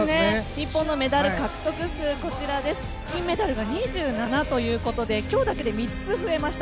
日本のメダル獲得数は金メダルが２７ということで今日だけで３つ増えました。